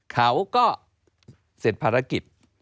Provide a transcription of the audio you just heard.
เขาก็เสร็จภารกิจ